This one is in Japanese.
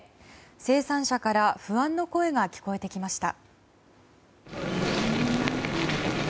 生産者から不安の声が聞こえてきました。